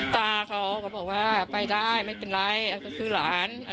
ตาเขาก็บอกว่าไปได้ไม่เป็นไรก็คือหลาน